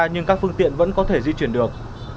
nhưng các phương tiện vẫn có thể di chuyển được